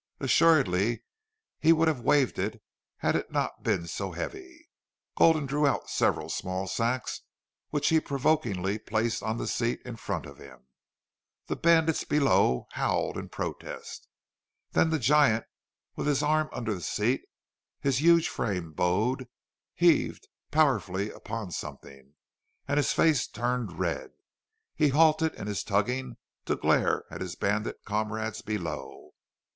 Assuredly he would have waved it had it not been so heavy. Gulden drew out several small sacks, which he provokingly placed on the seat in front of him. The bandits below howled in protest. Then the giant, with his arm under the seat, his huge frame bowed, heaved powerfully upon something, and his face turned red. He halted in his tugging to glare at his bandit comrades below.